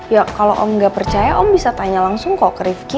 ya kalau om nggak percaya om bisa tanya langsung kok ke rifki